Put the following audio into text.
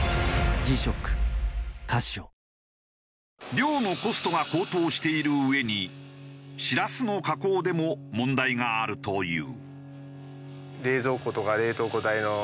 漁のコストが高騰しているうえにしらすの加工でも問題があるという。